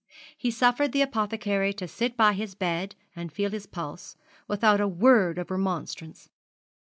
He suffered the apothecary to sit by his bed and feel his pulse, without a word of remonstrance.